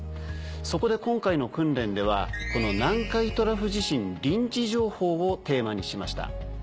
そこで今回の訓練ではこの南海トラフ地震臨時情報をテーマにしました。